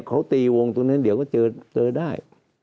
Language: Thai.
เขาตีวงตรงนั้นเดี๋ยวก็เจอได้